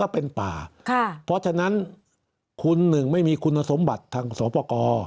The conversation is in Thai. เพราะฉะนั้นคุณหนึ่งไม่มีคุณสมบัติทางส่วนป่า